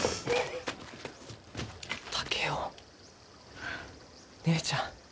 竹雄姉ちゃん。